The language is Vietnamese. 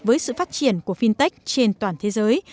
với sự phát triển của fintech trên toàn thế giới